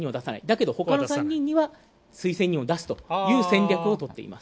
けれどもほかの３人には推薦人を出すという戦略をとっています。